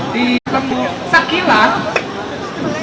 di tembu sakilan